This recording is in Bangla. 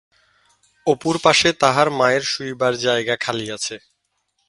অপুর পাশে তাহার মায়ের শুইবার জায়গা খালি আছে।